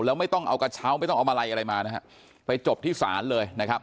แล้วไม่ต้องเอากระเช้าไม่ต้องเอามาลัยอะไรมานะฮะไปจบที่ศาลเลยนะครับ